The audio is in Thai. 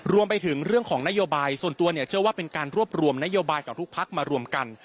รวมไปถึงเรื่องของนโยบายส่วนตัวเนี่ยเชื่อว่าเป็นการรวบรวมนโยบายกับทุกพักมารวมกัน